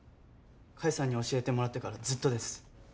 甲斐さんに教えてもらってからずっとです。